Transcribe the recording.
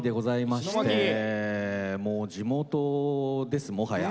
もう地元ですもはや。